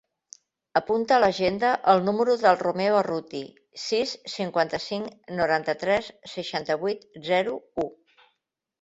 Apunta a l'agenda el número del Romeo Arruti: sis, cinquanta-cinc, noranta-tres, seixanta-vuit, zero, u.